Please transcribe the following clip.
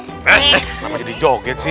eh kenapa jadi joget sih